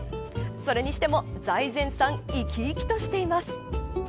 それにしても財前さん生き生きとしています。